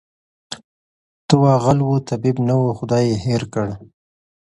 ته وا غل وو طبیب نه وو خدای ېې هېر کړ